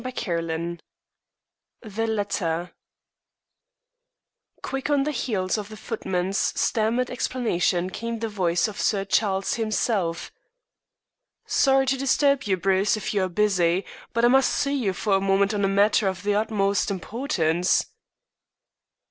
CHAPTER XXIII THE LETTER Quick on the heels of the footman's stammered explanation came the voice of Sir Charles himself: "Sorry to disturb you, Bruce, if you are busy, but I must see you for a moment on a matter of the utmost importance."